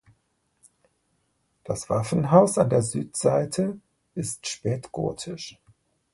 Das Waffenhaus an der Südseite ist spätgotisch.